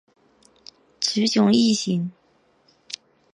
雌雄异型。